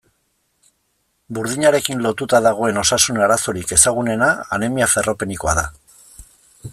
Burdinarekin lotuta dagoen osasun arazorik ezagunena anemia ferropenikoa da.